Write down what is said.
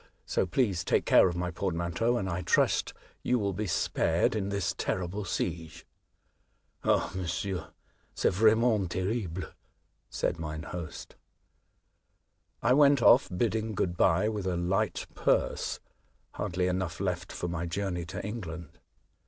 So please take care of my portmanteau, and I trust you will be spared in this terrible siege." '* Ah, monsieur, c'est vraiment terrible," said mine host. I went off, bidding good bye, with a light purse, — hardly enough left for my journey to England.